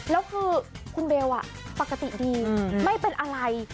แล้วคือคุณเบลปกติดีไม่เป็นอะไร